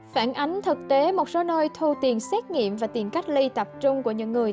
phản ánh thực tế một số nơi thu tiền xét nghiệm và tiền cách ly tập trung của những người